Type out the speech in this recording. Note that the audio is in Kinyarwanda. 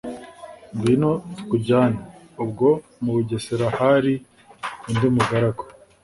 « ngwino tukujyane! ubwo mu bugesera hari undi mugaragu